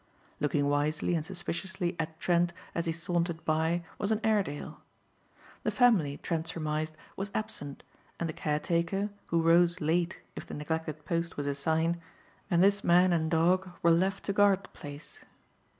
Looking wisely and suspiciously at Trent as he sauntered by was an Airedale. The family, Trent surmised, was absent and the caretaker, who rose late if the neglected Post was a sign, and this man and dog were left to guard the place.